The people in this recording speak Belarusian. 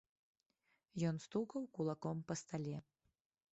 Ён стукаў кулаком па стале.